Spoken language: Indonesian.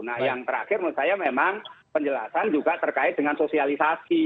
nah yang terakhir menurut saya memang penjelasan juga terkait dengan sosialisasi